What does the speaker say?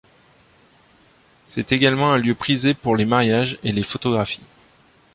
C'est également un lieu prisé pour les mariages et les photographies.